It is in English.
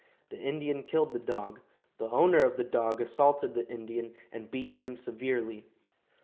The Indian killed the dog. The owner of the dog assaulted the Indian, and beat him severely.